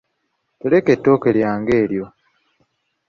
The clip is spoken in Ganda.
Teleka ettooke lyange eryo.